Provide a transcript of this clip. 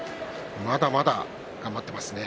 まだまだ頑張っていますね。